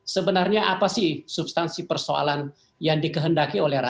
sebenarnya apa sih substansi persoalan yang dikehendaki oleh rakyat